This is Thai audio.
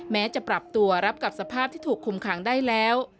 แม้จะปรับตัวรับกับสภาพที่ถูกคุมขังได้แล้ว